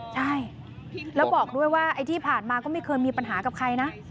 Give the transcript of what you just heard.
ใช่แล้วบอกด้วยว่าไอ้ที่ผ่านมาก็ไม่เคยมีปัญหากับใครนะ